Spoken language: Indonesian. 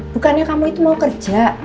bukannya kamu itu mau kerja